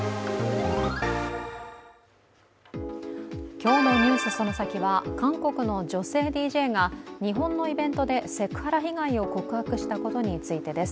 今日の「ＮＥＷＳそのサキ！」は韓国の女性ＤＪが日本のイベントでセクハラ被害を告白したことについてです。